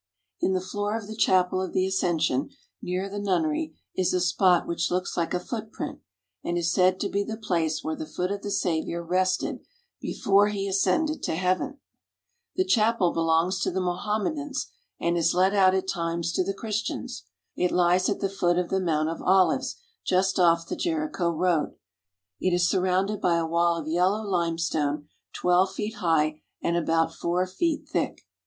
In the floor of the Chapel of the Ascension near the nunnery is a spot which looks like a footprint, and is said to be the place where the foot of the Saviour rested before He ascended to heaven. The chapel belongs to the Mohammedans and is let out at times to the Christians. But to me the Garden of Gethsemane was more interest ing. It lies at the foot of the Mount of Olives, just off the Jericho road. It is surrounded by a wall of yellow limestone twelve feet high and about four feet thick.